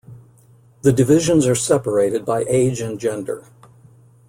The divisions are separated by age and gender.